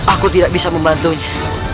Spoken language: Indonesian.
aku tidak bisa membantunya